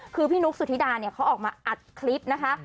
คือพี่นุ๊กสุธิดาเนี่ยเขาออกมาอัดคลิปนะคะ